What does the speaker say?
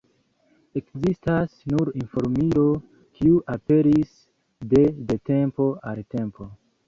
Ekzistas nur informilo, kiu aperis de de tempo al tempo.